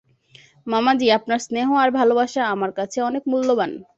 মামাজি, আপনার স্নেহ আর ভালোবাসা আমার কাছে অনেক মুল্যবান।